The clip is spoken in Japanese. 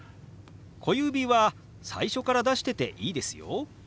小指は最初から出してていいですよ。